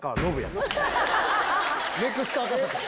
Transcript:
ネクスト赤坂。